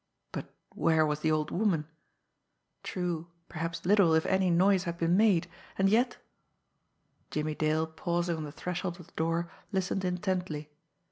But where was the old woman? True, perhaps little, if any, noise had been made, and yet Jimmie Dale, pausing on the threshold of the door, listened intently.